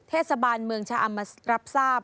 เทศบาลเมืองชะอำมารับทราบ